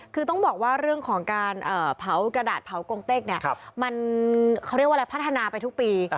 คือต้องบอกว่าเรื่องของกระดาษเผาโกงเต็กมันพัฒนาไปทุกปี